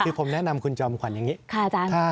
คือผมแนะนำคุณควันอย่างนี้